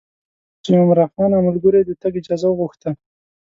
چې عمرا خان او ملګرو یې د تګ اجازه وغوښته.